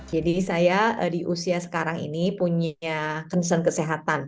jadi saya di usia sekarang ini punya concern kesehatan